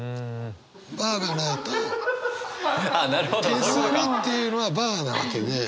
手すりっていうのはバーなわけで。